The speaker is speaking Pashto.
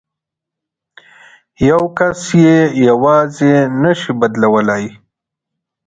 یو کس یې یوازې نه شي بدلولای.